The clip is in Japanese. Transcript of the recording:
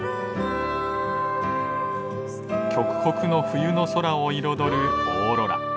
極北の冬の空を彩るオーロラ。